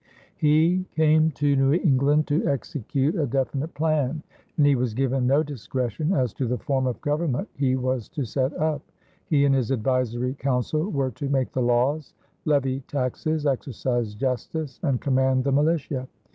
He came to New England to execute a definite plan, and he was given no discretion as to the form of government he was to set up. He and his advisory council were to make the laws, levy taxes, exercise justice, and command the militia.